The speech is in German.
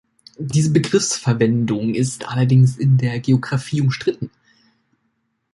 Diese Begriffsverwendung ist allerdings in der Geographie umstritten.